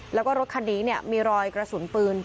แล้วก็รถคันนี้มีรอยกระสุนปืน